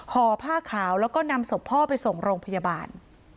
ห่อผ้าขาวแล้วก็นำศพพ่อไปส่งโรงพยาบาล